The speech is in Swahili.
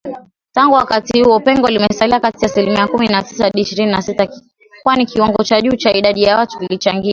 Tangu wakati huo, pengo limesalia kati ya asilimia kumi na tisa hadi ishirini na sita, kwani kiwango cha juu cha idadi ya watu kilichangia